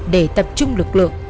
để tập trung lực lượng